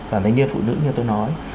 và thành viên phụ nữ như tôi nói